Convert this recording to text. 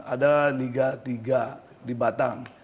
ada liga tiga di batang